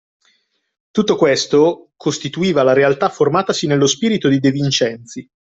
Tutto questo costituiva la realtà formatasi nello spirito di De Vincenzi.